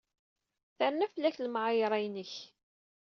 Terna fell-ak lemɛayṛa-inek.